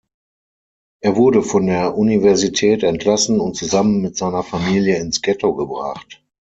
Er wurde von der Universität entlassen und zusammen mit seiner Familie ins Ghetto gebracht.